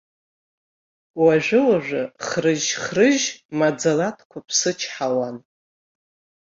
Уажәы-уажәы хрыжь-хрыжь, маӡала дқәыԥсычҳауан.